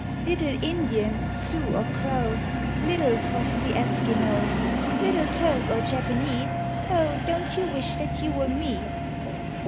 Little Indian, Sioux or Crow, Little frosty Eskimo, Little Turk or Japanee, O! don't you wish that you were me?